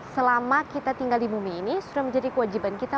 selama kita tinggal di bumi ini sudah menjadi kewajiban kita